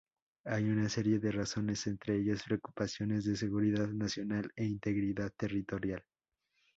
Hay una serie de razones, entre ellas preocupaciones de seguridad nacional e integridad territorial.